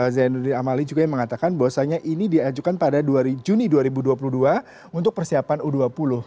zainuddin amali juga yang mengatakan bahwasannya ini diajukan pada juni dua ribu dua puluh dua untuk persiapan u dua puluh